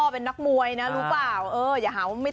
อยากพูดอยากเจอว่าทำไมเราจะทำ